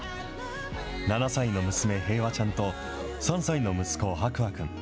７歳の娘、平和ちゃんと、３歳の息子、博愛くん。